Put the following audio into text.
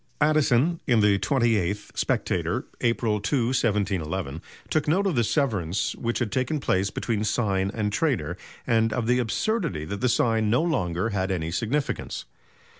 Addison, in the twenty eighth Spectator, April 2, 1711, took note of the severance which had taken place between sign and trade, and of the absurdity that the sign no longer had any significance.